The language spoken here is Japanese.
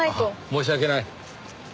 申し訳ない。